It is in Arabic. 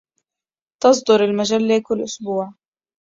تصدر المجلة كل إسبوع.